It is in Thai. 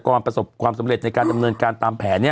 ประสบความสำเร็จในการดำเนินการตามแผน